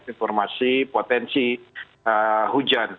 informasi potensi hujan